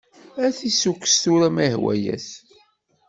Ad t-issukkes tura, ma yehwa-as!